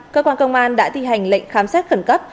cơ quan công an đã thi hành lệnh khám xét khẩn cấp